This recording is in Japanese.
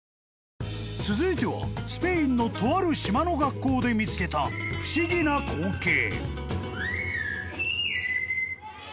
［続いてはスペインのとある島の学校で見つけた不思議な光景］